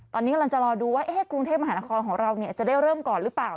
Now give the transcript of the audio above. ตอนนี้กำลังจะรอดูว่ากรุงเทพมหานครของเราจะได้เริ่มก่อนหรือเปล่า